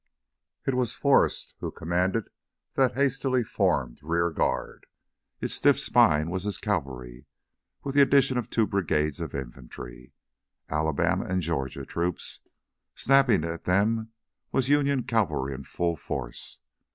It was Forrest who commanded that hastily formed rear guard. Its stiff spine was his cavalry, with the addition of two brigades of infantry Alabama and Georgia troops. Snapping at them was Union cavalry in full force.